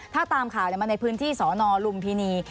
ถ้าตามข่าวมาในพื้นที่สอนอลุมพินี